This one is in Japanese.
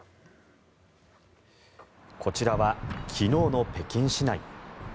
こちらは昨日の北京市内。